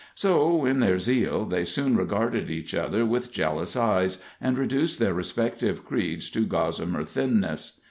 So, in their zeal, they soon regarded each other with jealous eyes, and reduced their respective creeds to gossamer thinness.